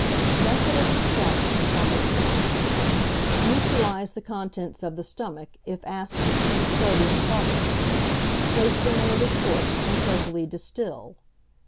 Method of Extraction from the Stomach. Neutralize the contents of the stomach, if acid, with sodium carbonate; place them in a retort and carefully distil.